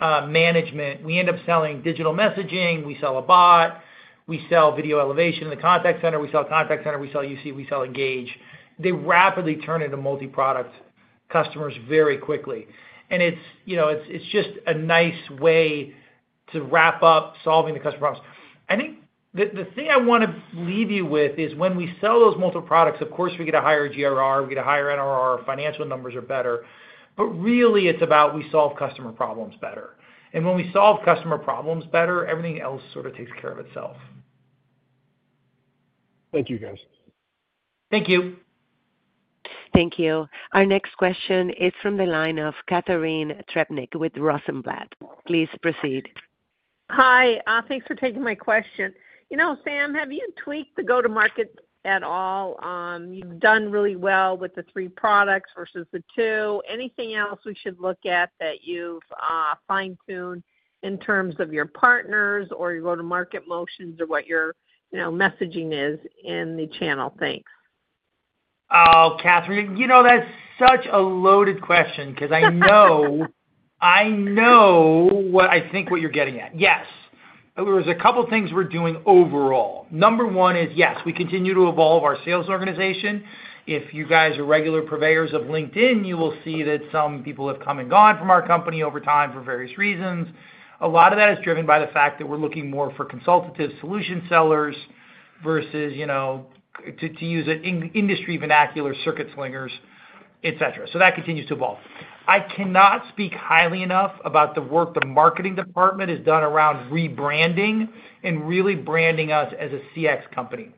management, we end up selling digital messaging, we sell a bot, we sell Video Elevation in the contact center, we sell contact center, we sell UC, we sell Engage. They rapidly turn into multi-product customers very quickly. And it's just a nice way to wrap up solving the customer problems. I think the thing I want to leave you with is when we sell those multiple products, of course, we get a higher GRR, we get a higher NRR, our financial numbers are better. But really, it's about we solve customer problems better. And when we solve customer problems better, everything else sort of takes care of itself. Thank you, guys. Thank you. Thank you. Our next question is from the line of Catharine Trebnick with Rosenblatt. Please proceed. Hi. Thanks for taking my question. Sam, have you tweaked the go-to-market at all? You've done really well with the three products versus the two. Anything else we should look at that you've fine-tuned in terms of your partners or your go-to-market motions or what your messaging is in the channel? Thanks. Oh, Catharine, that's such a loaded question because I know what I think what you're getting at. Yes. There was a couple of things we're doing overall. Number one is, yes, we continue to evolve our sales organization. If you guys are regular purveyors of LinkedIn, you will see that some people have come and gone from our company over time for various reasons. A lot of that is driven by the fact that we're looking more for consultative solution sellers versus to use it industry vernacular circuit slingers, etc. So that continues to evolve. I cannot speak highly enough about the work the marketing department has done around rebranding and really branding us as a CX company,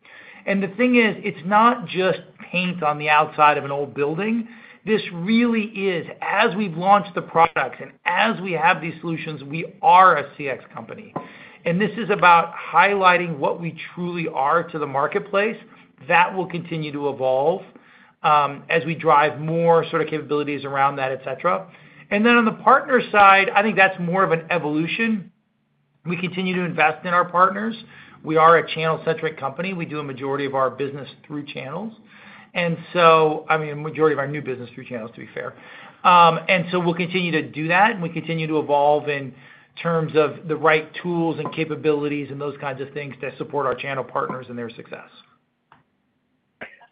and the thing is, it's not just paint on the outside of an old building. This really is, as we've launched the products and as we have these solutions, we are a CX company, and this is about highlighting what we truly are to the marketplace that will continue to evolve as we drive more sort of capabilities around that, etc., and then on the partner side, I think that's more of an evolution. We continue to invest in our partners. We are a channel-centric company. We do a majority of our business through channels, and so, I mean, a majority of our new business through channels, to be fair. And so we'll continue to do that, and we continue to evolve in terms of the right tools and capabilities and those kinds of things to support our channel partners and their success.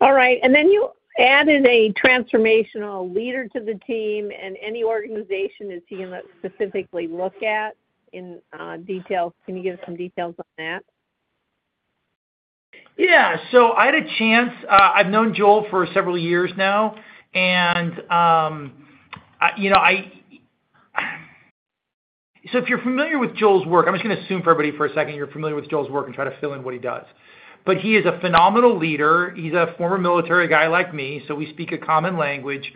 All right, and then you added a transformational leader to the team, and any organization is he going to specifically look at in detail? Can you give some details on that? Yeah, so I had a chance. I've known Joel for several years now, and so if you're familiar with Joel's work, I'm just going to assume for everybody for a second you're familiar with Joel's work and try to fill in what he does. But he is a phenomenal leader. He's a former military guy like me, so we speak a common language,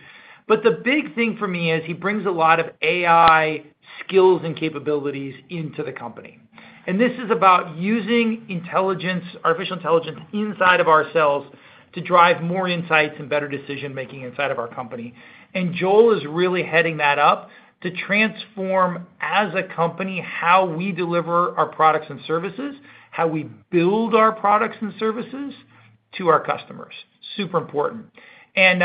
but the big thing for me is he brings a lot of AI skills and capabilities into the company. And this is about using artificial intelligence inside of ourselves to drive more insights and better decision-making inside of our company. And Joel is really heading that up to transform as a company how we deliver our products and services, how we build our products and services to our customers. Super important. And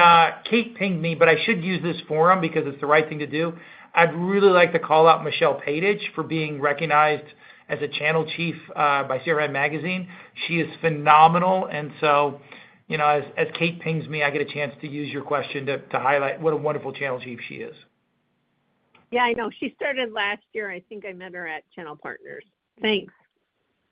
Kate pinged me, but I should use this forum because it's the right thing to do. I'd really like to call out Michelle Paitich for being recognized as a channel chief by CRN Magazine. She is phenomenal, and so as Kate pings me, I get a chance to use your question to highlight what a wonderful channel chief she is. Yeah, I know. She started last year. I think I met her at Channel Partners. Thanks.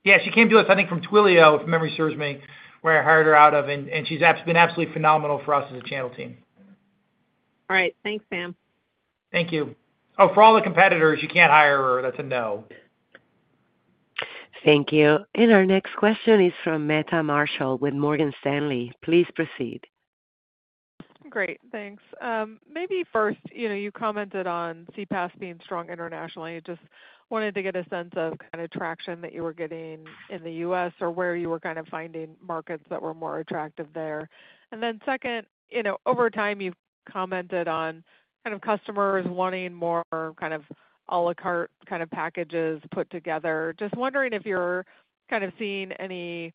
Yeah. She came to us, I think, from Twilio, if memory serves me, where I hired her out of. And she's been absolutely phenomenal for us as a channel team. All right. Thanks, Sam. Thank you. Oh, for all the competitors, you can't hire her. That's a no. Thank you. And our next question is from Meta Marshall with Morgan Stanley. Please proceed. Great. Thanks. Maybe first, you commented on CPaaS being strong internationally. Just wanted to get a sense of kind of traction that you were getting in the U.S. or where you were kind of finding markets that were more attractive there. And then second, over time, you've commented on kind of customers wanting more kind of à la carte kind of packages put together. Just wondering if you're kind of seeing any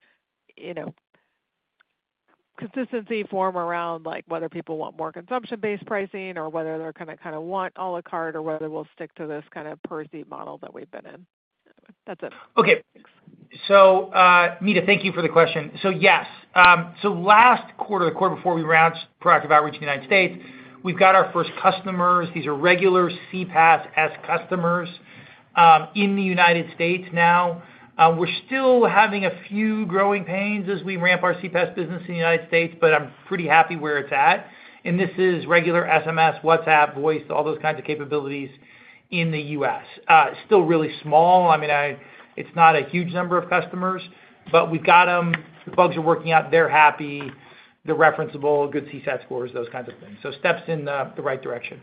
consistency form around whether people want more consumption-based pricing or whether they're going to kind of want à la carte or whether we'll stick to this kind of per-seat model that we've been in. That's it. Okay. So Meta, thank you for the question. So yes. So last quarter, the quarter before we launched proactive outreach in the United States, we've got our first customers. These are regular CPaaS customers in the United States now. We're still having a few growing pains as we ramp our CPaaS business in the United States, but I'm pretty happy where it's at. And this is regular SMS, WhatsApp, voice, all those kinds of capabilities in the U.S. Still really small. I mean, it's not a huge number of customers, but we've got them. The bugs are working out, they're happy. They're referenceable, good CSAT scores, those kinds of things. So steps in the right direction.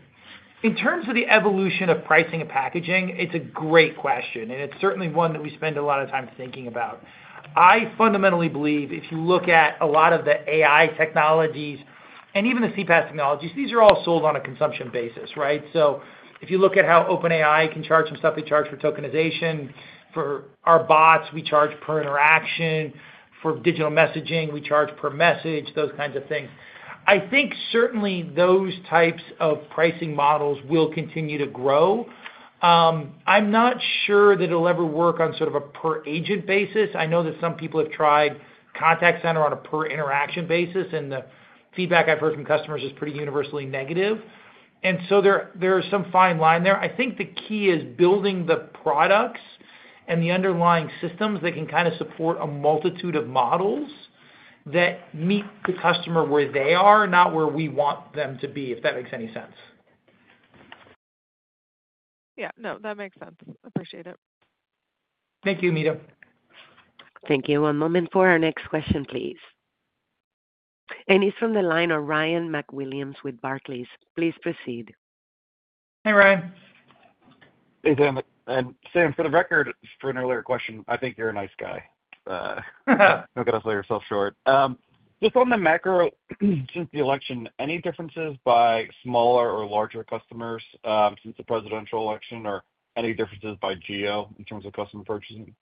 In terms of the evolution of pricing and packaging, it's a great question, and it's certainly one that we spend a lot of time thinking about. I fundamentally believe if you look at a lot of the AI technologies and even the CPaaS technologies, these are all sold on a consumption basis, right, so if you look at how OpenAI can charge some stuff they charge for tokenization, for our bots, we charge per interaction. For digital messaging, we charge per message, those kinds of things. I think certainly those types of pricing models will continue to grow. I'm not sure that it'll ever work on sort of a per-agent basis. I know that some people have tried contact center on a per-interaction basis, and the feedback I've heard from customers is pretty universally negative, and so there is some fine line there. I think the key is building the products and the underlying systems that can kind of support a multitude of models that meet the customer where they are, not where we want them to be, if that makes any sense. Yeah. No, that makes sense. Appreciate it. Thank you, Meta. Thank you. One moment for our next question, please. And he's from the line of Ryan McWilliams with Barclays. Please proceed. Hey, Ryan. Hey, Sam. And Sam, for the record, for an earlier question, I think you're a nice guy. Don't get us to sell ourselves short. Just on the macro, since the election, any differences by smaller or larger customers since the presidential election, or any differences by GEO in terms of customer purchasing?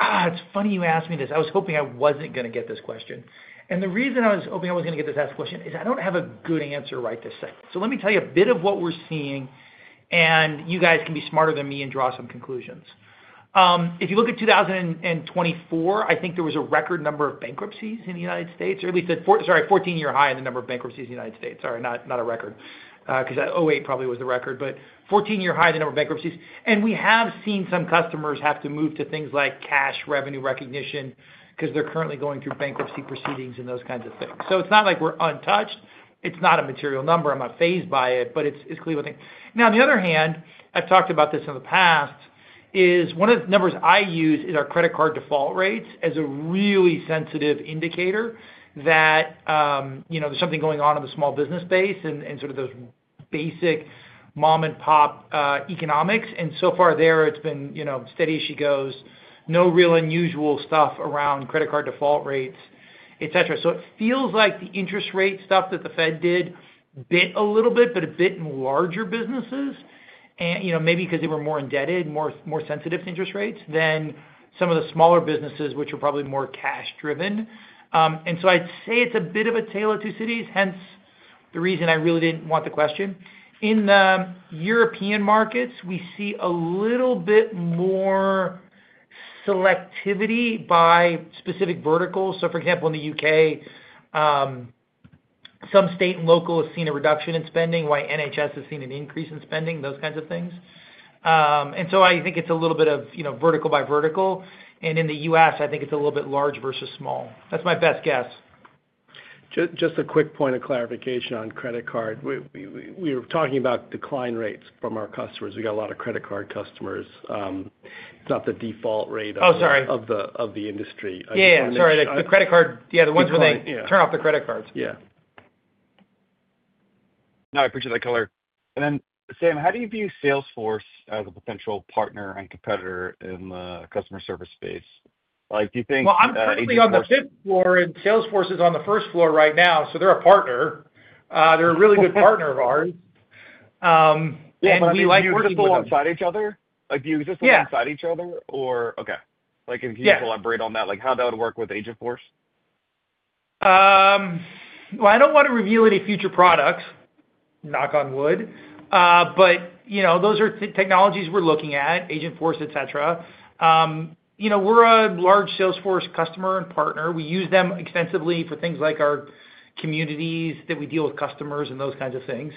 It's funny you asked me this. I was hoping I wasn't going to get this question. And the reason I was hoping I was going to get this question is I don't have a good answer right this second. So let me tell you a bit of what we're seeing, and you guys can be smarter than me and draw some conclusions. If you look at 2024, I think there was a record number of bankruptcies in the United States, or at least, sorry, 14-year high in the number of bankruptcies in the United States. Sorry, not a record, because 2008 probably was the record, but 14-year high in the number of bankruptcies. And we have seen some customers have to move to things like cash revenue recognition because they're currently going through bankruptcy proceedings and those kinds of things. So it's not like we're untouched, it's not a material number I'm not fazed by it, but it's clearly one thing. Now, on the other hand, I've talked about this in the past is one of the numbers I use is our credit card default rates as a really sensitive indicator that there's something going on in the small business space and sort of those basic mom-and-pop economics, and so far there, it's been steady as she goes. No real unusual stuff around credit card default rates, etc., so it feels like the interest rate stuff that the Fed did bit a little bit, but it bit larger businesses, maybe because they were more indebted, more sensitive to interest rates than some of the smaller businesses, which are probably more cash-driven. And so I'd say it's a bit of a tale of two cities, hence the reason I really didn't want the question. In the European markets, we see a little bit more selectivity by specific verticals. So, for example, in the U.K., some State and Local has seen a reduction in spending, while NHS has seen an increase in spending, those kinds of things. And so I think it's a little bit of vertical by vertical. And in the U.S., I think it's a little bit large versus small. That's my best guess. Just a quick point of clarification on credit card. We were talking about decline rates from our customers. We got a lot of credit card customers, it's not the default rate of the industry. Yeah. Sorry. The credit card, yeah, the ones where they turn off the credit cards. Yeah. No, I appreciate that color. And then, Sam, how do you view Salesforce as a potential partner and competitor in the customer service space? Do you think? I'm currently on the fifth floor, and Salesforce is on the first floor right now, so they're a partner. They're a really good partner of ours. And we like to see them. Do you view Agentforce alongside each other? If you can elaborate on that, how that would work with Agentforce? Well, I don't want to reveal any future products, knock on wood. But those are technologies we're looking at, Agentforce, etc. We're a large Salesforce customer and partner. We use them extensively for things like our communities that we deal with customers and those kinds of things.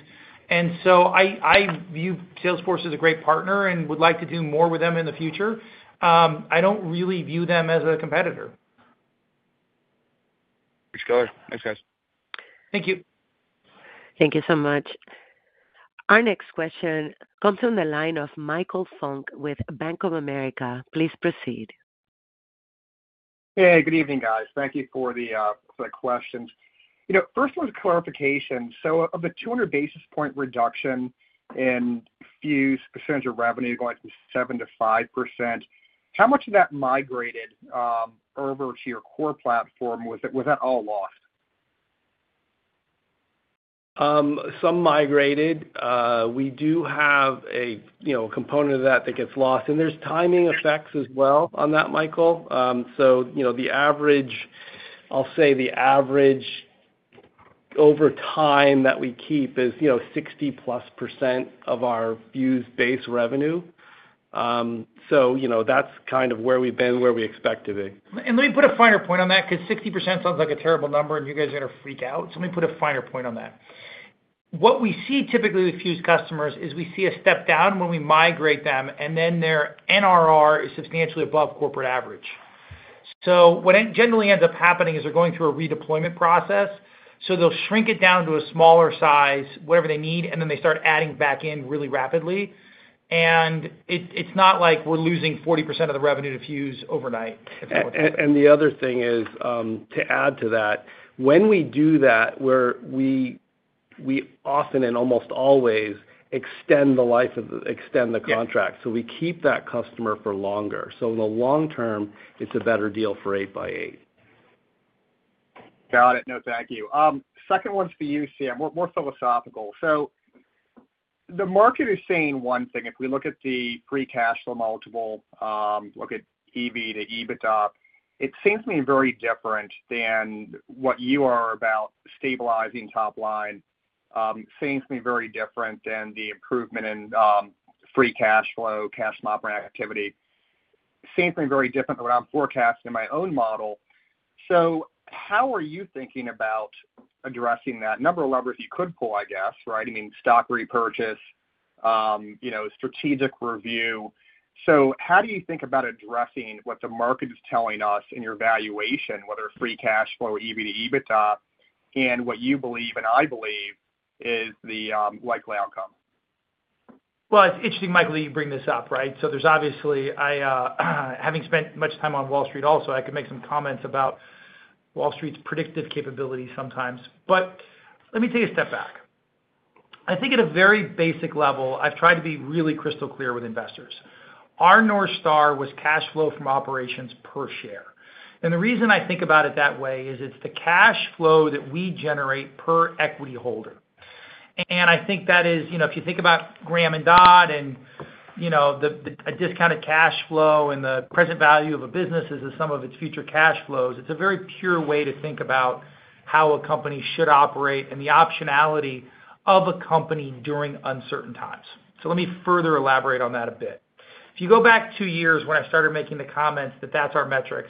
And so I view Salesforce as a great partner and would like to do more with them in the future. I don't really view them as a competitor. Appreciate it, guys. Thank you. Thank you so much. Our next question comes from the line of Michael Funk with Bank of America. Please proceed. Hey, good evening, guys. Thank you for the questions. First, one clarification. So of the 200 basis points reduction in Fuze percentage of revenue going from 7%-5%, how much of that migrated over to your core platform? Was that all lost? Some migrated. We do have a component of that that gets lost. And there's timing effects as well on that, Michael. So I'll say the average over time that we keep is 60%+ of our Fuze-based revenue. So that's kind of where we've been, where we expect to be. And let me put a finer point on that because 60% sounds like a terrible number, and you guys are going to freak out. So let me put a finer point on that. What we see typically with Fuze customers is we see a step down when we migrate them, and then their NRR is substantially above corporate average. So what generally ends up happening is they're going through a redeployment process. So they'll shrink it down to a smaller size, whatever they need, and then they start adding back in really rapidly. And it's not like we're losing 40% of the revenue from Fuze overnight, if that makes sense. And the other thing is, to add to that, when we do that, we often and almost always extend the contract so we keep that customer for longer. So in the long term, it's a better deal for 8x8. Got it. No, thank you. Second one's for you, Sam. More philosophical. So the market is saying one thing. If we look at the free cash flow multiple, look at EV to EBITDA, it seems to me very different than what you are about stabilizing top line. Seems to me very different than the improvement in free cash flow, cash operating activity. Seems to me very different than what I'm forecasting in my own model. So how are you thinking about addressing that? Number of levers you could pull, I guess, right? I mean, stock repurchase, strategic review. So how do you think about addressing what the market is telling us in your valuation, whether free cash flow, EV to EBITDA, and what you believe and I believe is the likely outcome? Well, it's interesting, Michael, that you bring this up, right? So there's obviously, having spent much time on Wall Street also, I could make some comments about Wall Street's predictive capability sometimes. But let me take a step back. I think at a very basic level, I've tried to be really crystal clear with investors. Our North Star was cash flow from operations per share. And the reason I think about it that way is it's the cash flow that we generate per equity holder. And I think that is, if you think about Graham and Dodd and a discounted cash flow and the present value of a business as the sum of its future cash flows, it's a very pure way to think about how a company should operate and the optionality of a company during uncertain times. So let me further elaborate on that a bit. If you go back two years when I started making the comments that that's our metrics,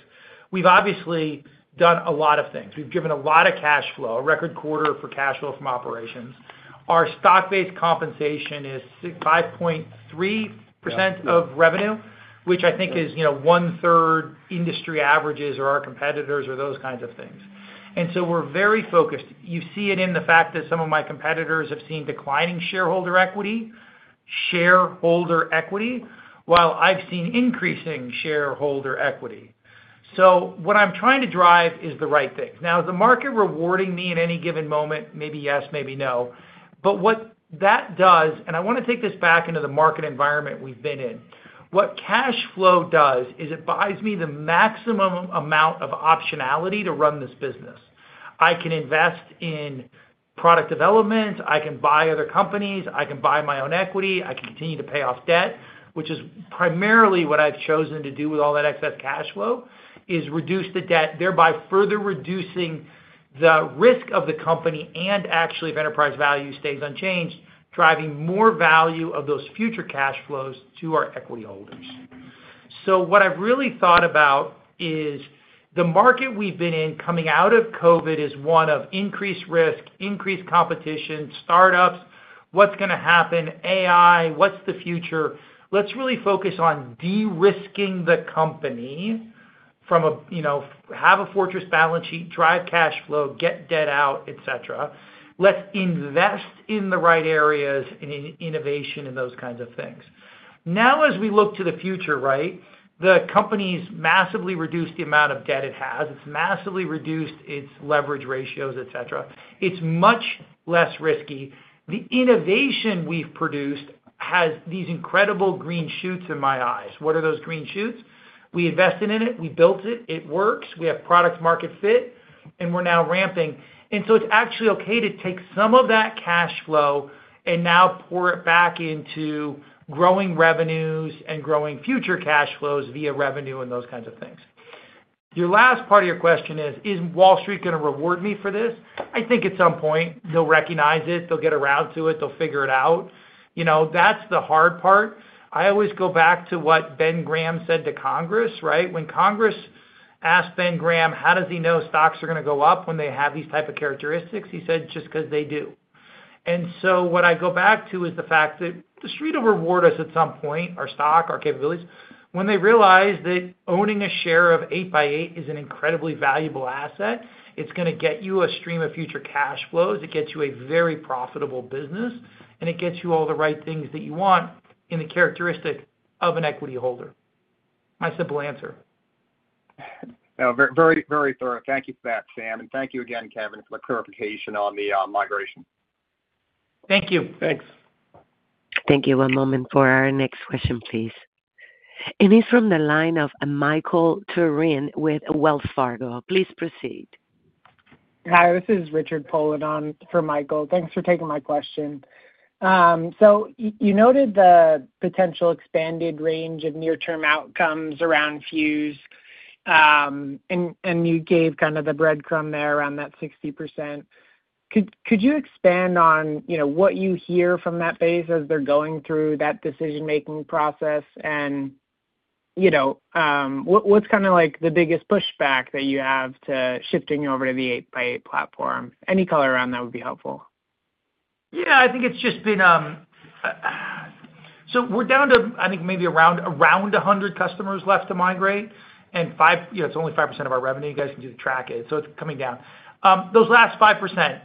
we've obviously done a lot of things. We've driven a lot of cash flow, a record quarter for cash flow from operations. Our stock-based compensation is 5.3% of revenue, which I think is one-third industry averages or our competitors or those kinds of things, and so we're very focused. You see it in the fact that some of my competitors have seen declining shareholder equity, shareholder equity, while I've seen increasing shareholder equity, so what I'm trying to drive is the right thing. Now, is the market rewarding me in any given moment? Maybe yes, maybe no, but what that does, and I want to take this back into the market environment we've been in. What cash flow does is it buys me the maximum amount of optionality to run this business. I can invest in product development. I can buy other companies. I can buy my own equity. I can continue to pay off debt, which is primarily what I've chosen to do with all that excess cash flow, is reduce the debt, thereby further reducing the risk of the company and actually, if enterprise value stays unchanged, driving more value of those future cash flows to our equity holders. So what I've really thought about is the market we've been in coming out of COVID is one of increased risk, increased competition, startups, what's going to happen, AI, what's the future. Let's really focus on de-risking the company to have a fortress balance sheet, drive cash flow, get debt out, etc. Let's invest in the right areas and in innovation and those kinds of things. Now, as we look to the future, right, the company's massively reduced the amount of debt it has. It's massively reduced its leverage ratios, etc. It's much less risky. The innovation we've produced has these incredible green shoots in my eyes. What are those green shoots? We invested in it, we built it, it works. We have product-market fit, and we're now ramping, and so it's actually okay to take some of that cash flow and now pour it back into growing revenues and growing future cash flows via revenue and those kinds of things. Your last part of your question is, is Wall Street going to reward me for this? I think at some point they'll recognize it. They'll get around to it, they'll figure it out. That's the hard part. I always go back to what Ben Graham said to Congress, right? When Congress asked Ben Graham, how does he know stocks are going to go up when they have these type of characteristics? He said, "Just because they do." And so what I go back to is the fact that the street will reward us at some point, our stock, our capabilities, when they realize that owning a share of 8x8 is an incredibly valuable asset. It's going to get you a stream of future cash flows. It gets you a very profitable business, and it gets you all the right things that you want in the characteristic of an equity holder. My simple answer. Very thorough. Thank you for that, Sam. And thank you again, Kevin, for the clarification on the migration. Thank you. Thanks. Thank you. One moment for our next question, please. And he's from the line of Michael Turrin with Wells Fargo. Please proceed. Hi. This is Richard Poland on for Michael. Thanks for taking my question. You noted the potential expanded range of near-term outcomes around Fuze, and you gave kind of the breadcrumb there around that 60%. Could you expand on what you hear from that base as they're going through that decision-making process, and what's kind of the biggest pushback that you have to shifting over to the 8x8 platform? Any color around that would be helpful. Yeah. I think it's just been so we're down to, I think, maybe around 100 customers left to migrate, and it's only 5% of our revenue. You guys can do the tracking. It's coming down. Those last 5%,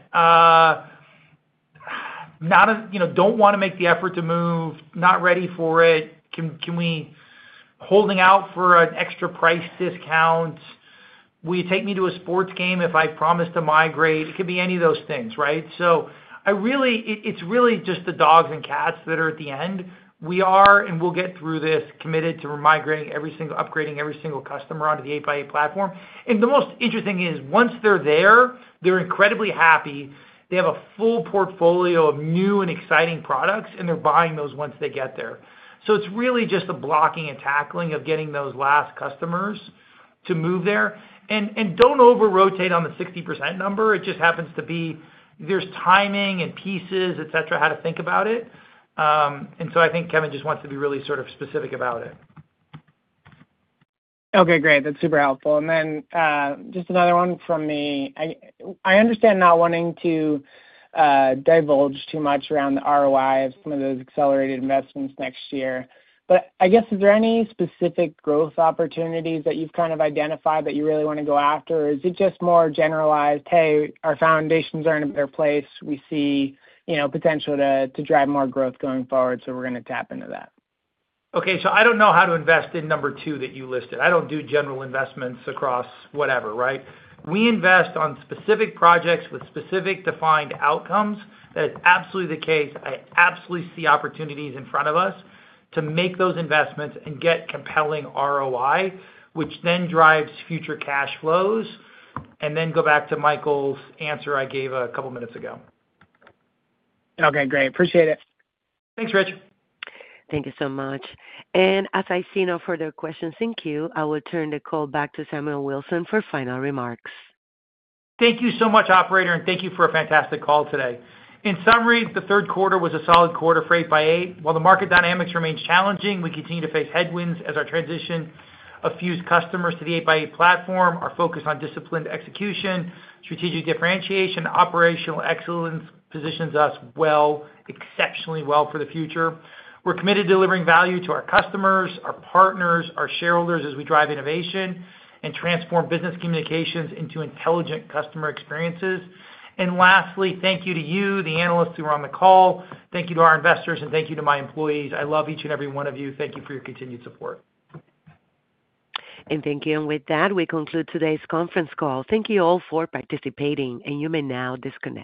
don't want to make the effort to move, not ready for it. Holding out for an extra price discount. Will you take me to a sports game if I promise to migrate? It could be any of those things, right? It's really just the dogs and cats that are at the end. We are, and we'll get through this, committed to upgrading every single customer onto the 8x8 platform. And the most interesting is, once they're there, they're incredibly happy. They have a full portfolio of new and exciting products, and they're buying those once they get there. So it's really just the blocking and tackling of getting those last customers to move there. And don't over-rotate on the 60% number. It just happens to be there's timing and pieces, etc., how to think about it. And so I think Kevin just wants to be really sort of specific about it. Okay. Great. That's super helpful. And then just another one from me. I understand not wanting to divulge too much around the ROI of some of those accelerated investments next year. But I guess, is there any specific growth opportunities that you've kind of identified that you really want to go after? Or is it just more generalized, "Hey, our foundations are in a better place. We see potential to drive more growth going forward, so we're going to tap into that"? Okay. So I don't know how to invest in number two that you listed. I don't do general investments across whatever, right? We invest on specific projects with specific defined outcomes. That is absolutely the case. I absolutely see opportunities in front of us to make those investments and get compelling ROI, which then drives future cash flows. And then go back to Michael's answer I gave a couple of minutes ago. Okay. Great. Appreciate it. Thanks, Rich. Thank you so much. And as I see no further questions, thank you. I will turn the call back to Samuel Wilson for final remarks. Thank you so much, operator, and thank you for a fantastic call today. In summary, the Q3 was a solid quarter for 8x8. While the market dynamics remain challenging, we continue to face headwinds as our transition of Fuze customers to the 8x8 platform, our focus on disciplined execution, strategic differentiation, and operational excellence positions us well, exceptionally well for the future. We're committed to delivering value to our customers, our partners, our shareholders as we drive innovation and transform business communications into intelligent customer experiences. And lastly, thank you to you, the analysts who were on the call. Thank you to our investors, and thank you to my employees. I love each and every one of you. Thank you for your continued support. And thank you. And with that, we conclude today's conference call. Thank you all for participating, and you may now disconnect.